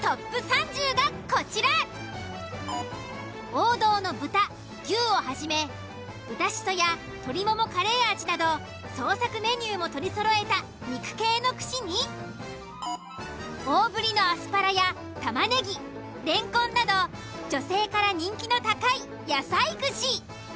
王道の豚牛をはじめ豚しそや鶏ももカレー味など創作メニューも取りそろえた肉系の串に大ぶりのアスパラや玉ネギレンコンなど女性から人気の高い野菜串。